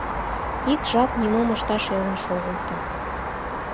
Ик жап нимом ышташ ӧрын шогылто.